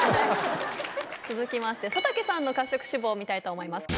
続きまして佐竹さんの褐色脂肪見たいと思います。